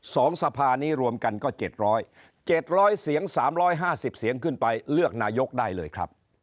สวสภานี้รวมกันก็๗๐๐๗๐๐เสียง๓๕๐เสียงขึ้นไปเลือกนายกได้เลยครับ